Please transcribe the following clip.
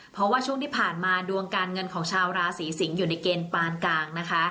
เพราะว่าช่วงที่ผ่านมาดวงการเงินของชาวราศีสิงศ์อยู่ในเกณฑ์ปานกลางนะคะ